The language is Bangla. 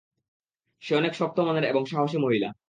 সে অনেক শক্ত মনের এবং সাহসী মহিলা।